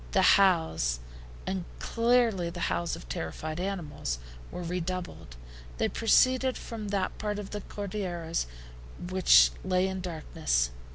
The howls, and clearly the howls of terrified animals, were redoubled. They proceeded from that part of the Cordilleras which lay in darkness.